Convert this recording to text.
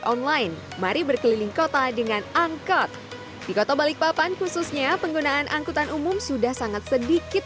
online mari berkeliling kota dengan angkot di kota balikpapan khususnya penggunaan angkutan umum sudah sangat sedikit